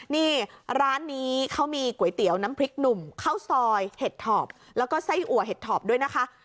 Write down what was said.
นี่ร้านนี้เขามีก๋วยเตี๋ยวน้ำพริกหนุ่มข้าวซอยเห็ดถอบแล้วก็ไส้อัวเห็ดถอบด้วยนะคะ